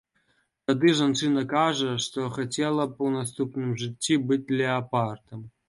Тады жанчына кажа, што хацела б у наступным жыцці быць леапардам.